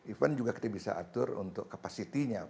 event juga kita bisa atur untuk kapasitinya